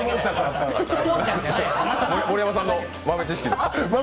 盛山さんの豆知識ですか？